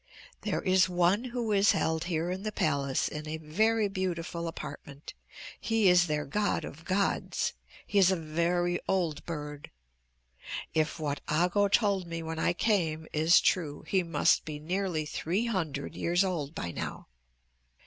There is one who is held here in the palace in a very beautiful apartment. He is their god of gods. He is a very old bird. If what Ago told me when I came is true, he must be nearly three hundred years old by now.